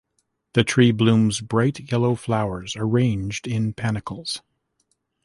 The tree blooms bright yellow flowers arranged in panicles.